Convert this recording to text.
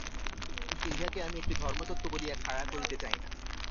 কিন্তু ইহাকে আমি একটি ধর্মতত্ত্ব বলিয়া খাড়া করিতে চাই না।